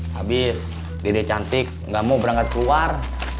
habis dede cantik gak mau berangkat keluar